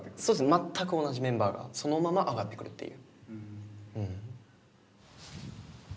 全く同じメンバーがそのまま上がってくるっていう。